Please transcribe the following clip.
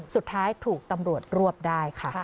สุดท้ายถูกตำรวจรวบได้ค่ะ